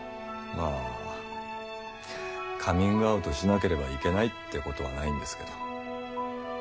まあカミングアウトしなければいけないってことはないんですけど。